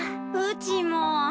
うちも。